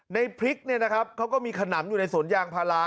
ในพริกเนี่ยนะครับเขาก็มีขนำอยู่ในสวนยางพารา